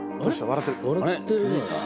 笑ってるな。